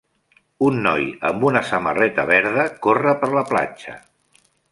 Un noi amb una samarreta verda corre per la platja.